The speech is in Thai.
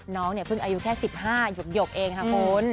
น้องเนี่ยเพิ่งอายุแค่๑๕หยกเองค่ะคุณ